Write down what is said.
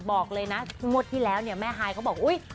บอกเลยนะวัดที่แล้วแม่ฮายเค้าบอก